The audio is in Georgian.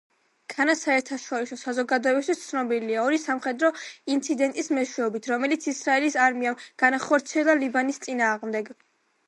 ქანა საერთაშორისო საზოგადოებისათვის ცნობილია ორი სამხედრო ინციდენტის მეშვეობით, რომელიც ისრაელის არმიამ განახორციელა ლიბანის წინააღმდეგ.